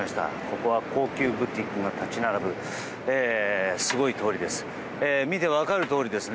ここは高級ブティックが立ち並ぶすごい通りです。